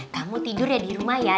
kamu tidur ya di rumah ya